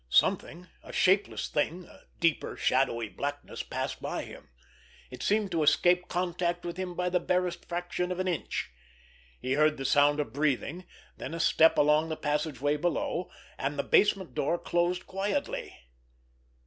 Something, a shapeless thing, a deeper, shadowy blackness passed by him. It seemed to escape contact with him by the barest fraction of an inch. He heard the sound of breathing—then a step along the passageway below—and the basement door closed quietly.